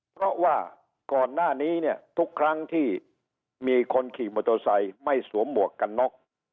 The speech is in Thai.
เพราะว่าก่อนหน้านี้เนี่ยทุกครั้งที่มีคนขี่มอเตอร์ไซค์ไม่สวมหมวกกันน็อก